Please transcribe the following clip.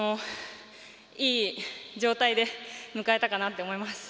いい状態で迎えたかなと思います。